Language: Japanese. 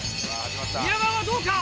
宮川はどうか？